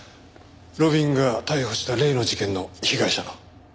路敏が逮捕した例の事件の被害者の。